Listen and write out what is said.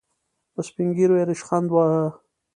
په سپين ږيرو يې ريشخند وواهه.